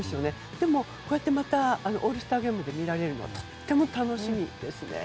でも、こうやってまたオールスターゲームで見られるのはとても楽しみですね。